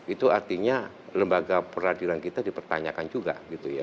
itu artinya lembaga peradilan kita dipertanyakan juga gitu ya